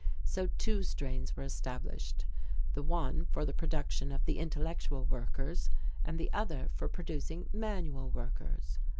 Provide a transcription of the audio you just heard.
So two strains were established, the one for the production of the intellectual workers, and the other for producing manual workers.